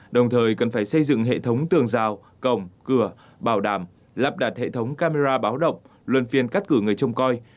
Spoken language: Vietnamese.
đồng thời cần phải xây dựng hệ thống tường rào cổng cửa bảo đảm lắp đặt hệ thống camera báo động luân phiên cắt cử người trông coi